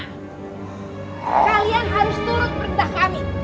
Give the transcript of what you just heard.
kalian harus turut berdakami